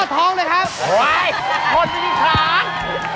เฮ้ยนี้คิดยังคล้าย